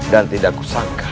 dan tidak kusangka